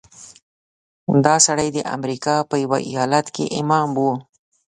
دا سړی د امریکا په یوه ایالت کې امام و.